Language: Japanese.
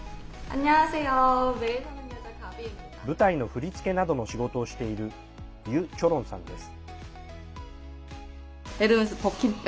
舞台の振り付けなどの仕事をしているユ・チョロンさんです。